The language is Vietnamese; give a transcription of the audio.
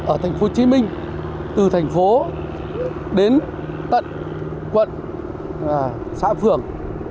ở tp hcm từ tp hcm đến tận quận xã phường